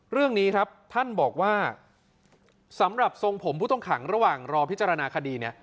เรื่องนี้ครับท่านบอกว่าสำหรับทรงผมผู้ต้องขังระหว่างรอพิจารณาคดีเนี่ย